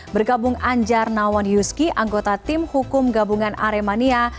bergabung anjar nawan yuski anggota tim hukum gabungan aremania